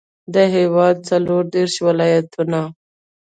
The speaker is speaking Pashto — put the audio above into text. د هېواد څلوردېرش ولایتونه.